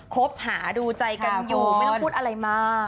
คบหาดูใจกันอยู่ไม่ต้องพูดอะไรมาก